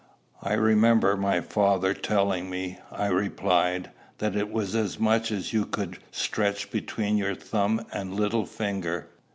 "I remember my father telling me," I replied, "that it was as much as you could stretch between your thumb and little finger."